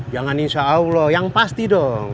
jangan insya allah yang pasti dong